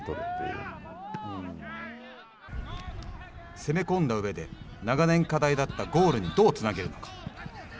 攻め込んだ上で長年課題だったゴールにどうつなげるのか。